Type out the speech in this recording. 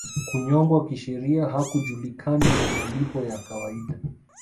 Kunyongwa kisheria hakujulikani na malipo ya kawaida